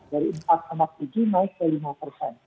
dari empat tujuh naik ke lima persen